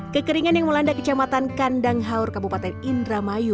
kekeringan yang melanda kecamatan kandang haur kabupaten indramayu